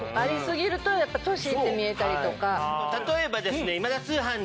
例えばですね。